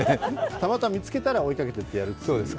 たまたま見つけたら追いかけていってやる。